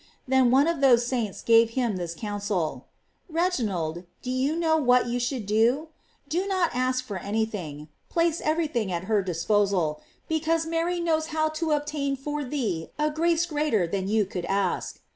Then one of those saints gave him this counsel: "Re ginald, do you know what you should do ? Do not ask for any thing, place every thing at her disposal, because Mary knows how to obtain for thee a grace greater than you could ask."